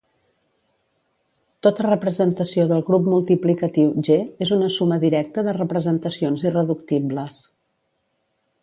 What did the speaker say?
Tota representació del grup multiplicatiu "G" és una suma directa de representacions irreductibles.